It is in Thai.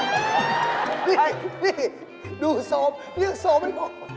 นี่ดูโซมพี่ยังโซมไม่พอ